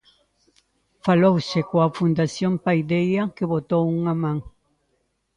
Falouse coa Fundación Paideia que botou unha man.